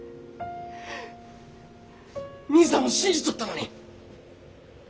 兄さんを信じとったのに。